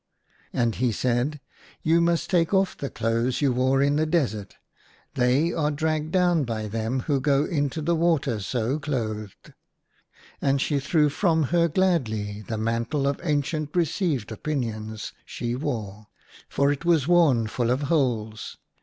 And he said, You must take off the clothes you wore in the desert : they are dragged down by them who go into the water so clothed." And she threw from her gladly the mantle of Ancient received opinions she 78 THREE DREAMS IN A DESERT. wore, for it was worn full of holes.